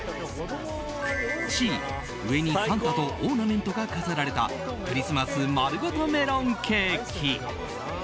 Ｃ、上にサンタとオーナメントが飾られたクリスマスまるごとメロンケーキ。